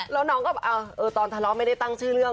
แล้วน้องก็ตอนทะเลาะไม่ได้ตั้งชื่อเรื่อง